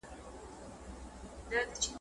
چي لغتي د ناکسو باندي اوري `